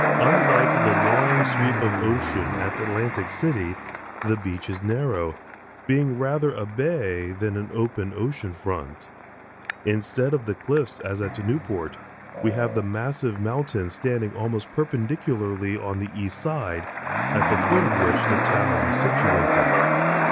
Unlike the long sweep of ocean at Atlantic City, the beach is narrow, being rather a bay than an open ocean front. Instead of the cliffs as at Newport, we have the massive mountains standing almost perpendicularly on the east side, at the foot of which the town is situated.